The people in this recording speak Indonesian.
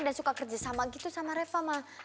dan suka kerja sama gitu sama reva mah